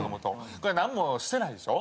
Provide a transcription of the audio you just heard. これなんもしてないでしょ？